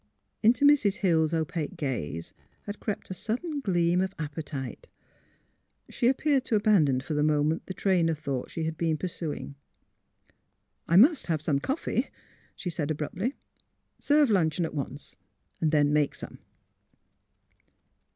Into Mrs. Hill's opaque gaze had crept a sud den gleam of appetite. She appeared to abandon for the moment the train of thought she had been pursuing. '* I must have some coffee," she said, abruptly. *' Serve luncheon at once; then make some."